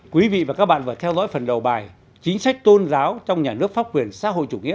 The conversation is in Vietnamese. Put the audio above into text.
quý vị và các bạn vừa theo dõi phần đầu bài chính sách tôn giáo trong nhà nước pháp quyền xã hội chủ nghĩa